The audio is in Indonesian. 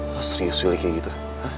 lo serius gue kayak gitu